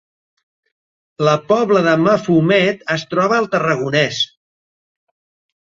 La Pobla de Mafumet es troba al Tarragonès